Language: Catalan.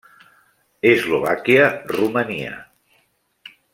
Eslovàquia, Romania.